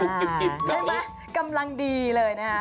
ใช่ไหมกำลังดีเลยนะฮะ